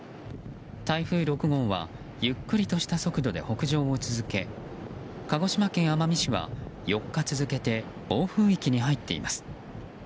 台風６号はゆっくりとした速度で北上を続け鹿児島県奄美市は４日続けて暴風域に入っています。